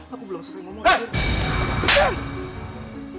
aku belum sesuai ngomong